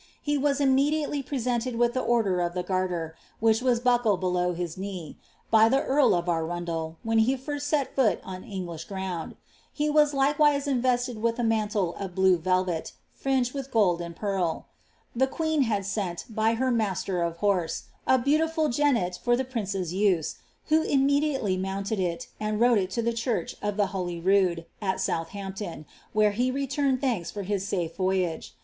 He was iminmJiBtdy ptf Rented wiili the order of the Garicr, which was biickleil hdow his liiMVf hy the rari of Arundel, when he first set fo"l on En^ish ^muniJ ; twr was likevvi^s invested with a mantir of blue telcei, Irin^I with gold and pi arl. The qneen had sent, by her master of har#e, a beautiful genet for the princess use. who immediately mounleil it, and rtxle to ihe church of llie Holy Rood, al Soiilhampton, where he returned tlutrika for his safe Toyage.